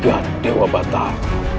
jagat dewa batak